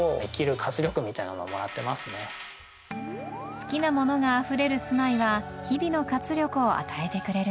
好きなものがあふれる住まいは日々の活力を与えてくれる